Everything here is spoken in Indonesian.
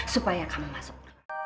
supaya kamu masuk